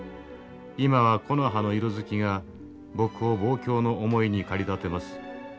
今は木の葉の色づきが僕を望郷の思いに駆り立てます。